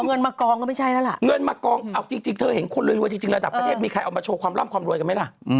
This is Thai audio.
เอาเงินมากองก็ไม่ใช่แล้วล่ะ